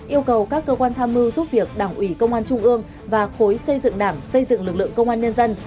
yêu cầu các cơ quan tham mưu giúp việc đảng ủy công an trung ương và khối xây dựng đảng xây dựng lực lượng công an nhân dân